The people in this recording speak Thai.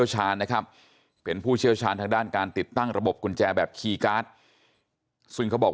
ใช้คีย์การ์ดแต่ระบบไฟฟ้ามันตัดต่อ